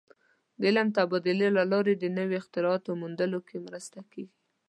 د علم د تبادلې له لارې د نوو اختراعاتو موندلو کې مرسته کېږي.